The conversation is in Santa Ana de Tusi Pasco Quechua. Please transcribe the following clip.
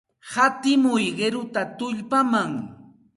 Hatimuy qiruta tullpaman.